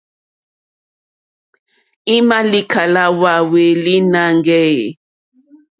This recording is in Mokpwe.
I ma likala hwa hweli nangɛ eeh?